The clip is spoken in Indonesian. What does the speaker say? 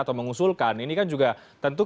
atau mengusulkan ini kan juga tentu